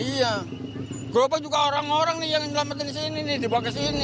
iya gerobak juga orang orang nih yang nyelamatin di sini nih dibawa ke sini